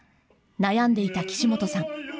悩んでいた岸本さん。